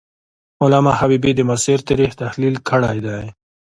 علامه حبیبي د معاصر تاریخ تحلیل کړی دی.